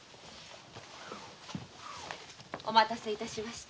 お待たせ致しました。